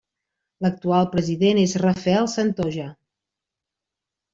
L'actual president és Rafael Santonja.